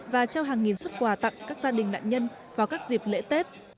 và trao hàng nghìn xuất quà tặng các gia đình nạn nhân vào các dịp lễ tết